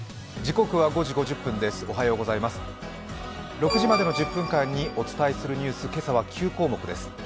６時までの１０分間にお伝えするニュース、今朝は９項目です。